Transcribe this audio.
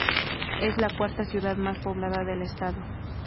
Es la cuarta ciudad más poblada del Estado.